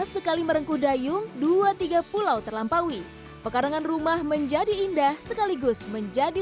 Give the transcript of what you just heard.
sekali merengku dayung dua tiga pulau terlampaui pekarangan rumah menjadi indah sekaligus menjadi